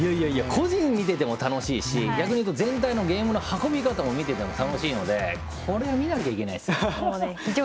個人を見てても楽しいし逆に言うと、全体のゲームの運び方を見てても楽しいのでこれは見ないといけないですよ。